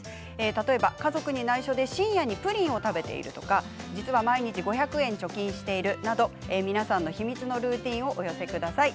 例えば家族に内緒で深夜にプリンを食べているとか実は毎日５００円貯金しているなど皆さんの秘密のルーティンをお寄せください。